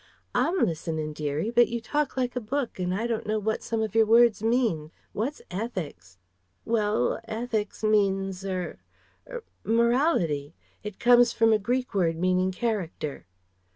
"I'm listenin', dearie, but you talk like a book and I don't know what some of your words mean What's ethics?" "Well 'ethics' means er er 'morality'; it comes from a Greek word meaning 'character.'..."